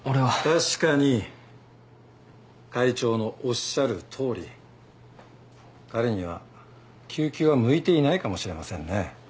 確かに会長のおっしゃるとおり彼には救急は向いていないかもしれませんね。